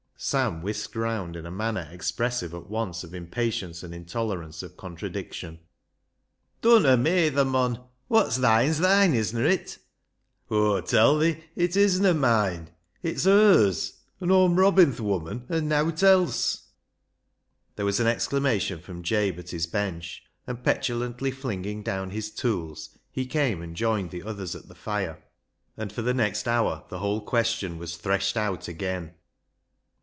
Sam whisked round in a manner expressive at once of impatience and intolerance of con tradiction. " Dunna meyther, mon. Wot's thine's thine, isna it?" "Aw tell thi it isna moine: it's hers; an' Aw'm robbin' th' woman, an' nowt else." There was an exclamation from Jabe at his bench, and petulantly flinging down his tools, he came and joined the others at the fire, and LIGE'S LEGACY 187 for the next hour the whole question was threshed out again.